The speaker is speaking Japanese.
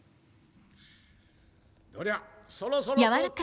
どりゃそろそろ。